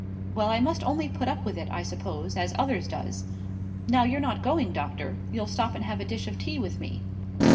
Well, I must only put up with it, I suppose, as others does. Now, you're not going, doctor? You'll stop and have a dish of tea with me.